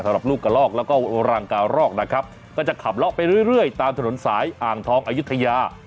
ลูกกระลอกแล้วก็รังการอกนะครับก็จะขับเลาะไปเรื่อยตามถนนสายอ่างทองอายุทยา